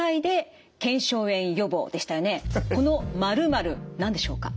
この「○○」何でしょうか？